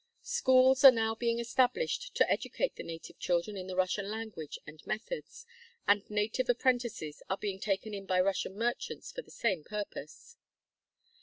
Schools are now being established to educate the native children in the IV 111 Russian language and methods, and native apprentices are being taken in by Russian merchants for the same purpose.